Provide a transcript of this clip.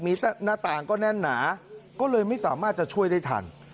มีหน้าต่างก็แน่นหนาก็เลยไม่สามารถจะช่วยได้ทัน